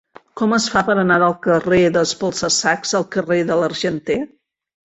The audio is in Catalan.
Com es fa per anar del carrer d'Espolsa-sacs al carrer de l'Argenter?